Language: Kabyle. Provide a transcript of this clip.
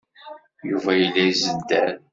Yuba yella izedder.